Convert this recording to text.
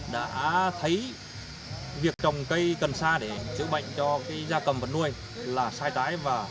đã thấy việc trồng cây cẩn xa để chữa bệnh cho gà cầm và nuôi là sai trái